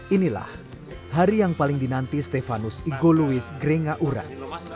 inilah hari yang paling dinanti stefanus igo louis geringa urat